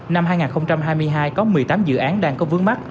năm hai nghìn hai mươi hai có một mươi tám dự án đang có vướng mắt